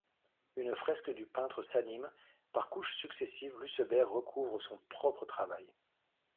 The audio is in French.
Une fresque du peintre s'anime, par couche successive Lucebert recouvre son propre travail.